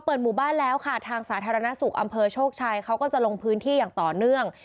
หมู่บ้านแล้วค่ะทางสาธารณสุขอำเภอโชคชัยเขาก็จะลงพื้นที่อย่างต่อเนื่อง